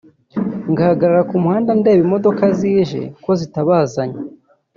ngahagara ku muhanda ndeba imodoka zije ko zitabazanye